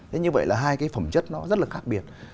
thế như vậy là hai cái phẩm chất nó rất là khác biệt